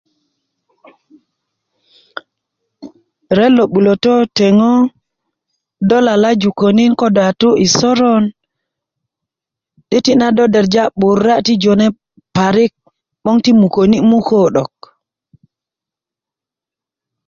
ret lo 'bulötö teŋo do lalaju könin ko do a tu yi soron 'döti' nado derja 'bura' ti jone parik 'boŋ ti muköni' 'dok